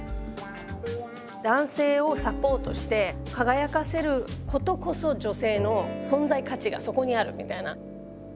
「男性をサポートして輝かせることこそ女性の存在価値がそこにある」みたいな。